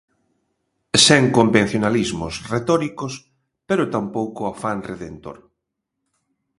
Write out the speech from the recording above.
Sen convencionalismos retóricos pero tampouco afán redentor.